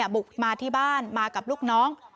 บุกมาที่บ้านมากับลูกน้อง